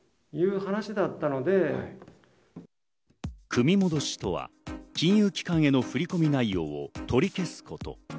組戻しとは金融機関への振り込み内容を取り消すこと。